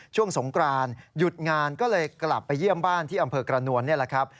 ช่วงสงกรานหยุดงานก็เลยกลับไปเยี่ยมบ้านที่อำเภอกระนวลนี่แหละครับ